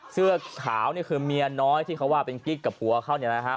เสื้อขาวเนี่ยคือเมียน้อยที่เขาว่าเป็นกิ๊กกับผัวเขาเนี่ยนะฮะ